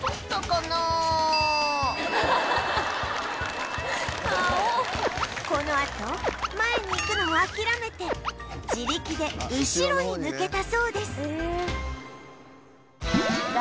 このあと前に行くのを諦めて自力で後ろに抜けたそうです